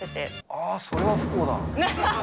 あー、それは不幸だ。